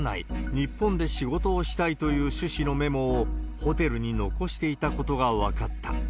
日本で仕事をしたいという趣旨のメモを、ホテルに残していたことが分かった。